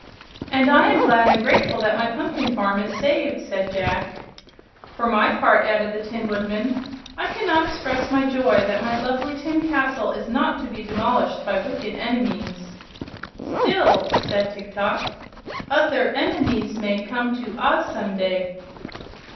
"And I am glad and grateful that my pumpkin farm is saved," said Jack. "For my part," added the Tin Woodman, "I cannot express my joy that my lovely tin castle is not to be demolished by wicked enemies." "Still," said Tiktok, "o ther en e mies may come to Oz some day."